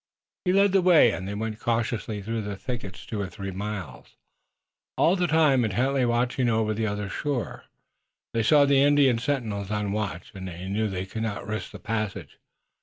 He led the way, and they went cautiously through the thickets two or three miles, all the time intently watching the other shore. Twice they saw Indian sentinels on watch, and knew that they could not risk the passage.